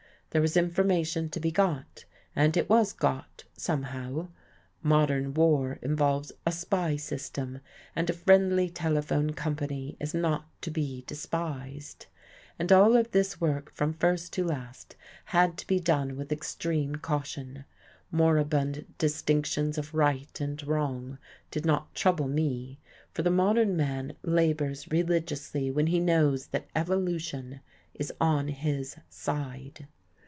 There was information to be got, and it was got somehow. Modern war involves a spy system, and a friendly telephone company is not to be despised. And all of this work from first to last had to be done with extreme caution. Moribund distinctions of right and wrong did not trouble me, for the modern man labours religiously when he knows that Evolution is on his side.